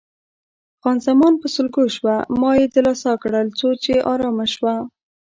خان زمان په سلګو شوه، ما یې دلاسا کړل څو چې آرامه شوه.